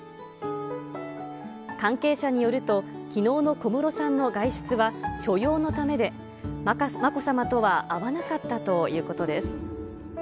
関係者によると、きのうの小室さんの外出は、所用のためで、まこさまとは会わなかったということです。